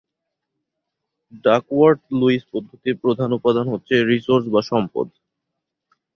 Duckworth-Lewis পদ্ধতির প্রধান উপাদান হচ্ছে রিসোর্স বা সম্পদ।